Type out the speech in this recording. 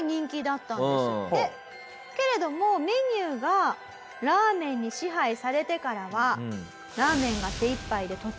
けれどもメニューがラーメンに支配されてからはラーメンが手いっぱいで途中で天ぷらが補充できない。